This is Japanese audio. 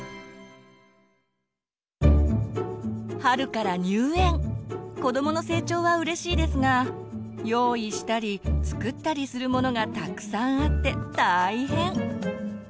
春から入園子どもの成長はうれしいですが用意したり作ったりするものがたくさんあって大変。